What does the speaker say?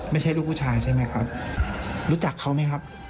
ไม่ใช่ลูกผู้ชายใช่ไหมครับรู้จักเขาไหมครับ